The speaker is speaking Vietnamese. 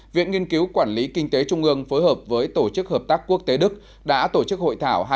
viện nghiên cứu quản lý kinh tế trung ương phối hợp với tổ chức hợp tác quốc tế đức đã tổ chức hội thảo